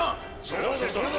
そうだそうだ！